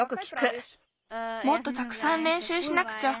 もっとたくさんれんしゅうしなくちゃ。